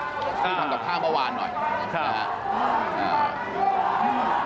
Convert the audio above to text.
ที่ทำกับข้าวเมื่อวานหน่อยนะครับ